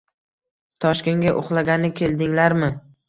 “Toshkentga uxlagani keldinglarmi?